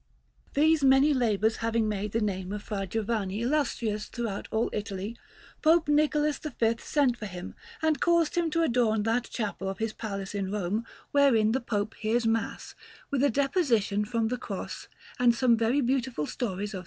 These many labours having made the name of Fra Giovanni illustrious throughout all Italy, Pope Nicholas V sent for him and caused him to adorn that chapel of his Palace in Rome wherein the Pope hears Mass with a Deposition from the Cross and some very beautiful stories of S.